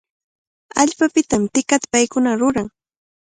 Allpapitami tikataqa paykuna ruran.